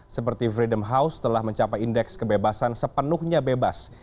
seperti freedom house telah mencapai indeks kebebasan sepenuhnya bebas